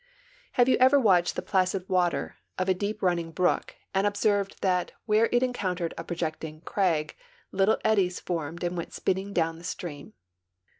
Have you ever watched the placid water of a deep running brook and observed that where it encountered a projecting crag little eddies formed and went spinning down the stream